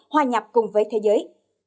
hoa nhập cùng với thế giới